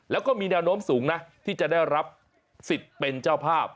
แล้วก็มีแนวโน้มสูงนะที่จะได้รับสิทธิ์เป็นเจ้าภาพ